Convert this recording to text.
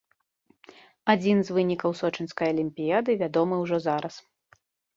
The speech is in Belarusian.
Адзін з вынікаў сочынскай алімпіяды вядомы ўжо зараз.